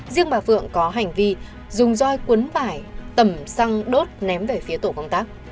riêng bà phượng có hành vi dùng roi cuốn vải tầm xăng đốt ném về phía tổ công tác